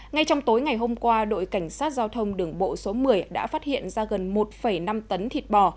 ngay trong tối ngày hôm qua đội cảnh sát giao thông đường bộ số một mươi đã phát hiện ra gần một năm tấn thịt bò